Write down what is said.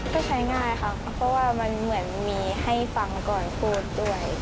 ก็ใช้ง่ายค่ะเพราะว่ามันเหมือนมีให้ฟังก่อนพูดด้วย